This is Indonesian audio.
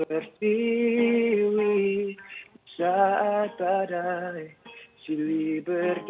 menurutmu bagaimana mateix played ima dan ritme mas past reported uh